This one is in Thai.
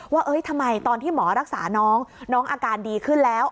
ว่าทำไมตอนที่หมอรักษาน้องน้องอาการดีขึ้นแล้ว